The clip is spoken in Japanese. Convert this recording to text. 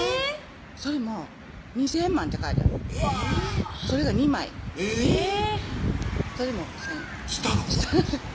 それも「２０００万」って書いてあるえぇっそれが２枚えぇっそれもサインしたの？